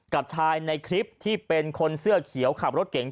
กับชายในคลิปที่เป็นคนเสื้อเขียวขับรถเก่ง